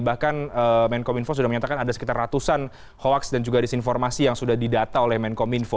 bahkan menkom info sudah menyatakan ada sekitar ratusan hoaks dan juga disinformasi yang sudah didata oleh menkominfo